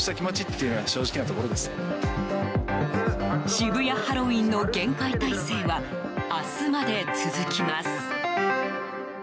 渋谷ハロウィーンの厳戒態勢は明日まで続きます。